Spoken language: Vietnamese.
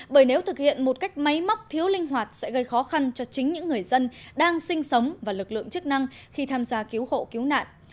bởi nếu thực hiện một cách máy móc thiếu linh hoạt sẽ gây khó khăn cho chính những người dân đang sinh sống và lực lượng chức năng khi tham gia cứu hộ cứu nạn